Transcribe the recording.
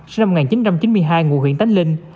sinh năm một nghìn chín trăm chín mươi hai ngụ huyện tánh linh